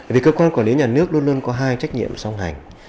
vì cơ quan quản lý nhà nước luôn luôn có hai trách nhiệm song hành